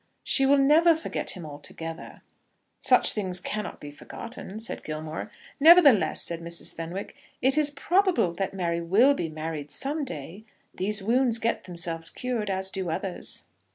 "She will never forget him altogether." "Such things cannot be forgotten," said Gilmore. "Nevertheless," said Mrs. Fenwick, "it is probable that Mary will be married some day. These wounds get themselves cured as do others."